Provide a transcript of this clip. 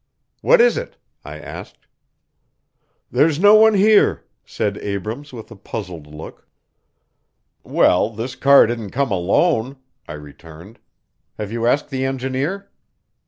"What is it?" I asked. "There's no one here," said Abrams, with a puzzled look. "Well, this car didn't come alone," I returned. "Have you asked the engineer?"